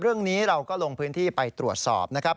เรื่องนี้เราก็ลงพื้นที่ไปตรวจสอบนะครับ